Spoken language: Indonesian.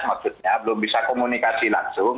maksudnya belum bisa komunikasi langsung